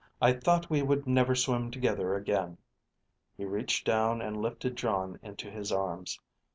I thought we would never swim together again." He reached down and lifted Jon into his arms.